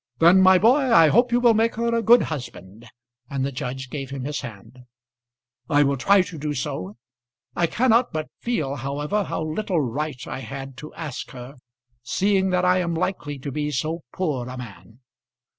"Then, my boy, I hope you will make her a good husband;" and the judge gave him his hand. "I will try to do so. I cannot but feel, however, how little right I had to ask her, seeing that I am likely to be so poor a man."